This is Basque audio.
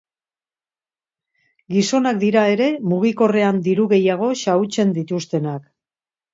Gizonak dira ere, mugikorrean diru gehiago xahutzen dituztenak.